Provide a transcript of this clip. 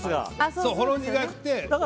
そう、ほろ苦くて。